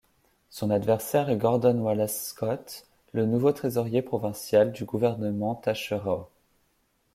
Son adversaire est Gordon Wallace Scott, le nouveau trésorier provincial du gouvernement Taschereau.